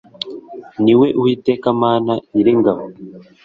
ni we Uwiteka Imana Nyiringabo.